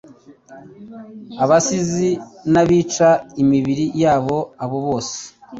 abasinzi, n’abica imibiri yabo, abo bose